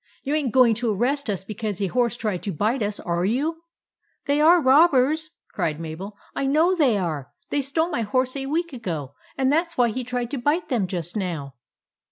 You ain't going to arrest us because a horse tried to bite us, are you ?"" They are robbers !" cried Mabel. " I know they are. They stole my horse a week ago ; and that 's why he tried to bite them just now."